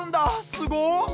すごっ。